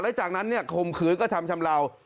แล้วจากนั้นเนี่ยคลมขืนก็ทำชำราว